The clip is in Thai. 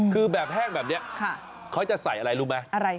คือแบบแห้งแบบนี้เขาจะใส่อะไรรู้ไหม